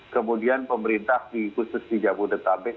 kemudian pemerintah khusus di jabodetabek